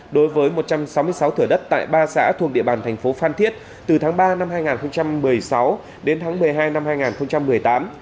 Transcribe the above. đối với một trăm sáu mươi sáu thửa đất tại ba xã thuộc địa bàn thành phố phan thiết từ tháng ba năm hai nghìn một mươi sáu đến tháng một mươi hai năm hai nghìn một mươi tám